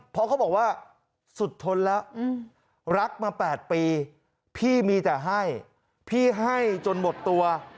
เพราะเขาบอกว่าสุดทนแล้วรักมา๘ปีพี่มีแต่ให้พี่ให้จนหมดตัว